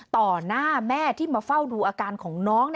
หน้าแม่ที่มาเฝ้าดูอาการของน้อง